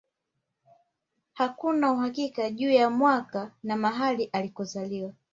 Hakuna uhakika juu ya mwaka na mahali alikozaliwa